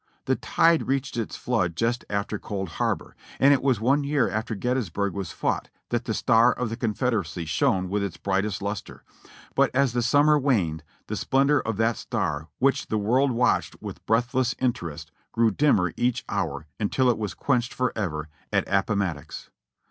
The tide reached its flood just after Cold Harbor, and it was one year after Gettysburg was fought that the star of the Confederacy shone with its brightest lustre ; but as the sum mer waned, the splendor of that star which the world watched w^ith breathless interest grew dimmer each liour until it was quenched forever at Appomattox.